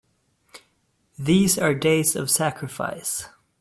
These are days of sacrifice!